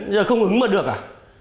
giờ không ứng mà được à